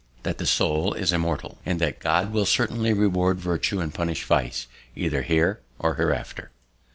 "That the soul is immortal. "And that God will certainly reward virtue and punish vice, either here or hereafter."